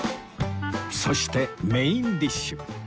そしてメインディッシュ